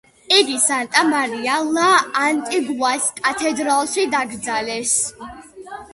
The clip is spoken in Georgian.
იგი სანტა მარია ლა ანტიგუას კათედრალში დაკრძალეს.